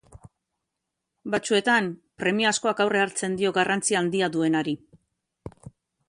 Batzuetan, premiazkoak aurre hartzen dio garrantzi handia duenari.